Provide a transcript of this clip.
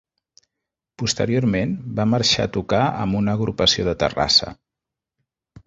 Posteriorment, va marxar a tocar amb una agrupació de Terrassa.